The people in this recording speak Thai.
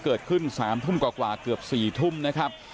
เกิดขึ้น๓ทุ่มกว่าเกือบ๔ทุ่มนะครับ